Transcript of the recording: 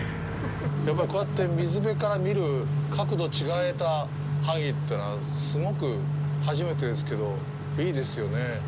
やっぱり、こうやって水辺から見る、角度を違えた萩というのは、すごく、初めてですけど、いいですよねぇ。